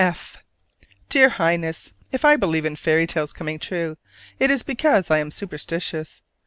F. Dear Highness: If I believe in fairy tales coming true, it is because I am superstitious.